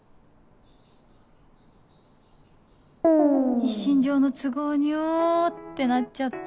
「一身上の都合によ」ってなっちゃった